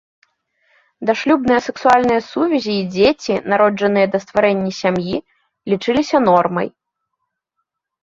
Дашлюбныя сексуальныя сувязі і дзеці, народжаныя да стварэння сям'і, лічыліся нормай.